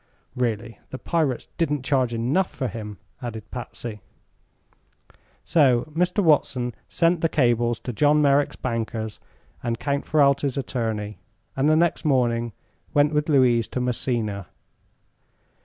"Really, the pirates didn't charge enough for him," added Patsy. So Mr. Watson sent the cables to John Merrick's bankers and Count Ferralti's attorney, and the next morning went with Louise to Messina.